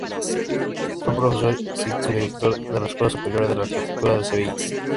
Fue profesor y codirector de la Escuela Superior de Arquitectura de Sevilla.